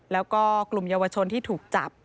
แล้วก็กลุ่มเยาวชนที่ถูกจับ